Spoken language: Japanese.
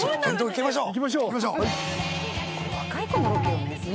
いきましょう。